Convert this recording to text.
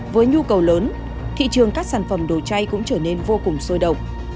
với nhu cầu lớn thị trường các sản phẩm đồ chay cũng trở nên vô cùng sôi động